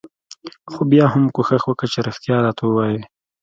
خو بيا هم کوښښ وکه چې رښتيا راته وايې.